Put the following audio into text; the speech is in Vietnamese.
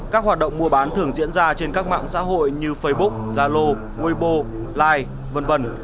các hoạt động mua bán thường diễn ra trên các mạng xã hội như facebook zalo wibo lai v v